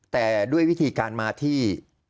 แต่ด้วยวิธีการมาที่